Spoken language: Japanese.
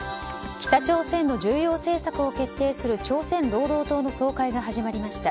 北朝鮮の重要政策を決定する朝鮮労働党の総会が始まりました。